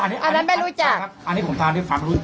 บอกค่ะอันนั้นไม่รู้จักอันนี้ผมทางได้ฟัง